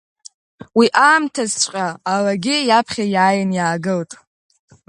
Уи аамҭазҵәҟьа алагьы иаԥхьа иааин иаагылт.